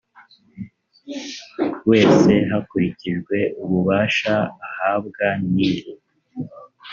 wese hakurikijwe ububasha ahabwa n iri